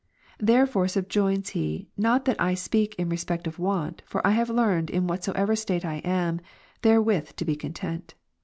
Therefore subjoins he, not that / speak in respect of want, for I have ver. 11 learned in whatsoever state I am, therewith to be content.